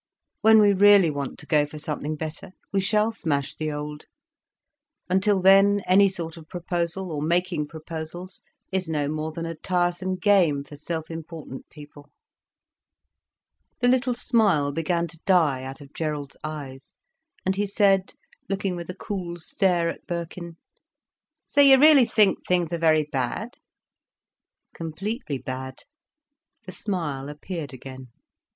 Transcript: "When we really want to go for something better, we shall smash the old. Until then, any sort of proposal, or making proposals, is no more than a tiresome game for self important people." The little smile began to die out of Gerald's eyes, and he said, looking with a cool stare at Birkin: "So you really think things are very bad?" "Completely bad." The smile appeared again.